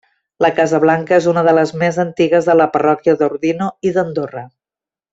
La casa Blanca és una de les més antigues de la parròquia d’Ordino i d’Andorra.